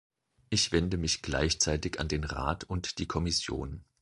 Ich wende mich gleichzeitig an den Rat und die Kommission.